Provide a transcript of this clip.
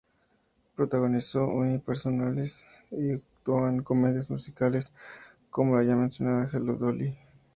Protagonizó unipersonales y actuó en comedias musicales como la ya mencionada "Hello, Dolly!